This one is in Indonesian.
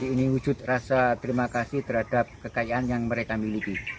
ini wujud rasa terima kasih terhadap kekayaan yang mereka miliki